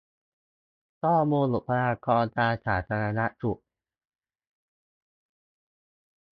ข้อมูลบุคลากรทางสาธารณสุข